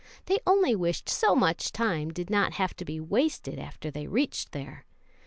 They only wished so much time did not have to be wasted after they reached there.